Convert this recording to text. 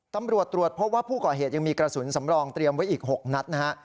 ตำรวจตรวจพบว่าผู้ก่อเหตุยังมีกระสุนสำรองเตรียมไว้อีก๖นัดนะฮะ